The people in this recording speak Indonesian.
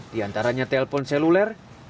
di antaranya telpon seluler